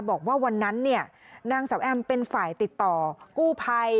บอกว่าวันนั้นเนี่ยนางสาวแอมเป็นฝ่ายติดต่อกู้ภัย